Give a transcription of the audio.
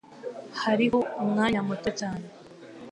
Hariho umwanya muto cyane